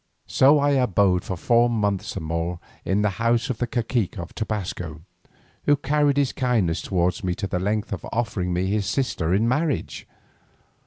So I abode for four months and more in the house of the cacique of Tobasco, who carried his kindness towards me to the length of offering me his sister in marriage.